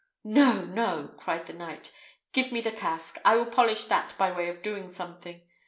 "No, no," cried the knight. "Give me the casque; I will polish that by way of doing something.